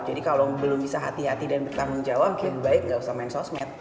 jadi kalau belum bisa hati hati dan bertanggung jawab ya lebih baik gak usah main sosmed